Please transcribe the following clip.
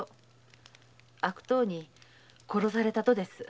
悪党に殺されたとです。